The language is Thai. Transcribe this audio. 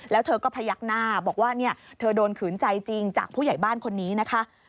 แล้วเธอก็พยักหน้าบอกว่าเธอโดนขืนใจจริงจากผู้ใหญ่บ้านคนนี้นะคะ